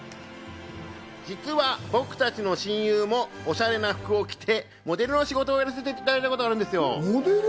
実は僕たちの親友もおしゃれな服を着て、モデルのお仕事をやらせていただいたことがあるんですよ。